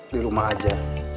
di rumah aja